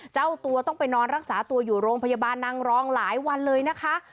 เจ้าตัวต้องไปนอนรักษาตัวอยู่โรงพยาบาลนางรองหลายวันเลยนะคะ